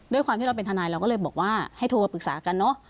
ด้วยความที่เราเป็นทนายเราก็เลยบอกว่าให้โทรมาปรึกษากันเนอะ